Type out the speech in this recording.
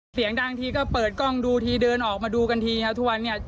เสียงดังทีก็เปิดกล้องดูทีเดินออกมาดูกันทีครับทุกวันเนี่ย